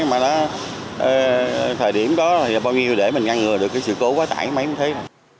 mà thời điểm đó là bao nhiêu để mình ngăn ngừa được sự cố quá tải mấy mươi thế này